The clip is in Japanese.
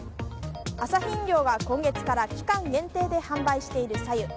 アサヒ飲料が今月から期間限定で販売している、さゆ。